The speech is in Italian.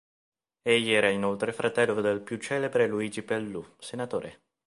Egli era inoltre fratello del più celebre Luigi Pelloux, senatore.